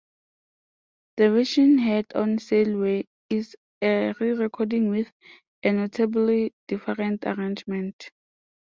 The version heard on "Sail Away" is a re-recording with a notably different arrangement.